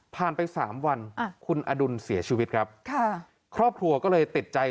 ไปสามวันคุณอดุลเสียชีวิตครับค่ะครอบครัวก็เลยติดใจ